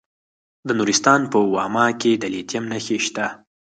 د نورستان په واما کې د لیتیم نښې شته.